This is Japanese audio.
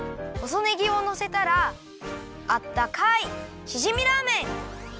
ほそねぎをのせたらあったかいしじみラーメン！